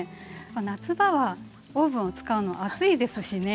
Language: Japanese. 夏場はオーブンを使うの暑いですしね。